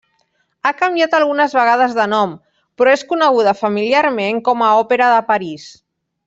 Ha canviat algunes vegades de nom, però és coneguda familiarment com a Òpera de París.